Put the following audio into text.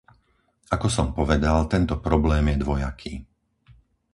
Ako som povedal, tento problém je dvojaký.